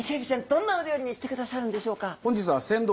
どんなお料理にしてくださるんでしょうか？